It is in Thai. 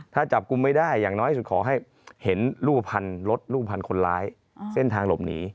ถ้าจับกลุ่มไม่ได้อย่างน้อยสุดขอให้เห็นรูปพันธุ์รถลูกพันคนร้ายเส้นทางหลบหนี